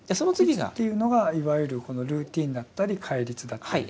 「律」っていうのがいわゆるルーティンだったり戒律だったり。